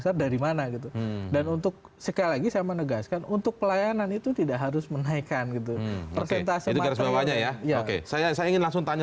sampai jumpa di video selanjutnya